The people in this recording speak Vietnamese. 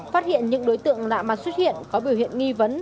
phát hiện những đối tượng lạ mặt xuất hiện có biểu hiện nghi vấn